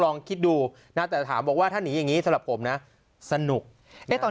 ลองคิดดูนะแต่ถามบอกว่าถ้าหนีอย่างนี้สำหรับผมนะสนุกได้ตอน